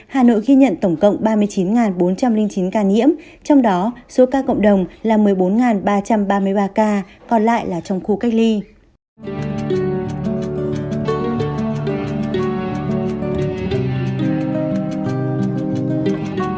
hà nội ghi nhận tổng cộng ba mươi chín bốn trăm linh chín ca nhiễm trong đó số ca cộng đồng là một mươi bốn ba trăm ba mươi ba ca còn lại là trong khu cách ly